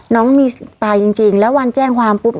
น้องมีตายจริงแล้ววันแจ้งความปุ๊บ